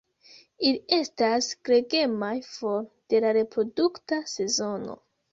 Ili estas gregemaj for de la reprodukta sezono.